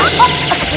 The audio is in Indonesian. bukan jadi tepuk ustadz